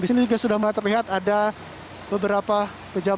di sini juga sudah mulai terlihat ada beberapa pejabat